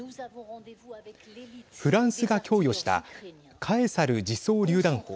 フランスが供与したカエサル自走りゅう弾砲。